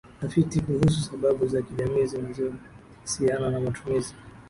Tafiti kuhusu sababu za kijamii zinazosiana na matumizi